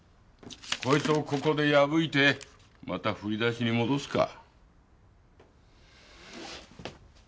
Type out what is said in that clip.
こいつをここで破いてまた振り出しに戻すか？